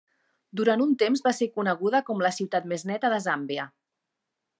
Durant un temps va ser coneguda com la ciutat més neta de Zàmbia.